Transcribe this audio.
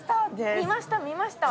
見ました見ました。